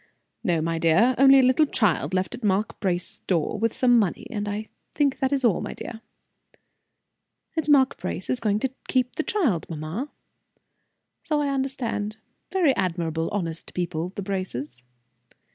"No, my dear. Only a little child, left at Mark Brace's door with some money and I think that is all, my dear." "And Mark Brace is going to keep the child, mamma?" "So I understand. Very admirable, honest people, the Braces."